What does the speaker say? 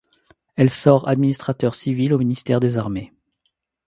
Elle sort administrateur civil au ministère des Armées.